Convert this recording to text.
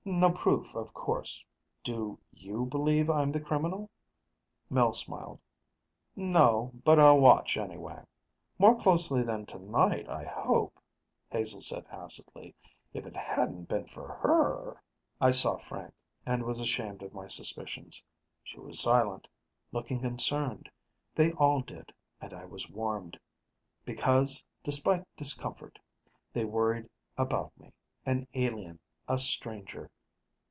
"No proof, of course ... Do you believe I'm the criminal?" Mel smiled. "No, but I'll watch anyway." "More closely than tonight, I hope," Hazel said acidly. "If it hadn't been for her...." I saw Frank, and was ashamed of my suspicions. She was silent, looking concerned. They all did, and I was warmed. Because, despite discomfort, they worried about me, an alien, a stranger.